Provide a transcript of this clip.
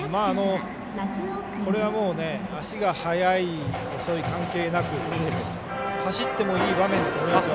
これはもう足が速い遅い関係なく走ってもいい場面だと思いますよ。